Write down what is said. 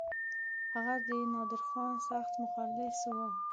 هغه د نادرخان سخت مخلص وو.